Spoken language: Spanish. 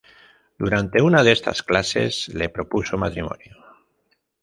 Durante una de estas clases le propuso matrimonio.